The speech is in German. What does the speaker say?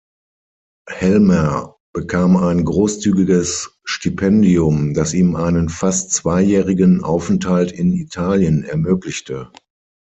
Hellmer bekam ein großzügiges Stipendium, das ihm einen fast zweijährigen Aufenthalt in Italien ermöglichte.